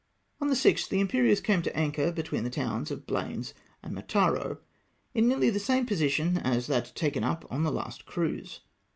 On the 6th, the Imperieuse came to an anchor be tween the towns of Blanes and Mataro, in nearly the same position as that taken up on the last cruise.